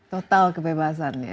total kebebasan ya